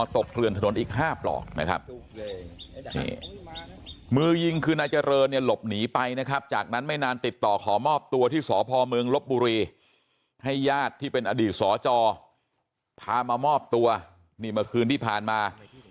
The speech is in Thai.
เกลื่อนถนนอีก๕ปลอกนะครับนี่มือยิงคือนายเจริญเนี่ยหลบหนีไปนะครับจากนั้นไม่นานติดต่อขอมอบตัวที่สพเมืองลบบุรีให้ญาติที่เป็นอดีตสจพามามอบตัวนี่เมื่อคืนที่ผ่านมา